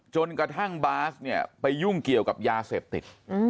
จนกระทั่งบาสเนี่ยไปยุ่งเกี่ยวกับยาเสพติด